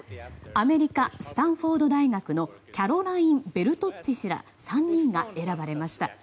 アメリカ、スタンフォード大学のキャロライン・ベルトッツィ氏ら３人が選ばれました。